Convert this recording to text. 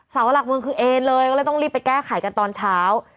เสาหลักเมืองคือเอเลยก็เลยต้องรีบไปแก้ไขกันตอนเช้า